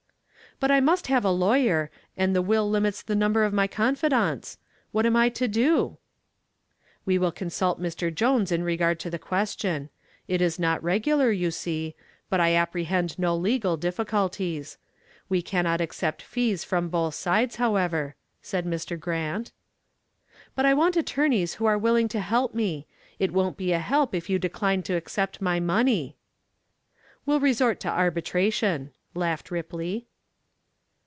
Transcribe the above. "But I must have a lawyer, and the will limits the number of my confidants. What am I to do?" "We will consult Mr. Jones in regard to the question. It is not regular, you see, but I apprehend no legal difficulties. We cannot accept fees from both sides, however," said Mr. Grant. "But I want attorneys who are willing to help me. It won't be a help if you decline to accept my money." "We'll resort to arbitration," laughed Ripley.